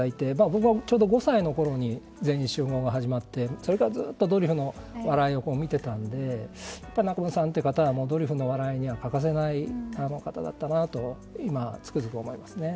僕が５歳のころに「全員集合」が始まってそれからずっとドリフの笑いを見ていたので仲本さんという方はドリフの笑いには欠かさない方だったなと今、つくづく思いますね。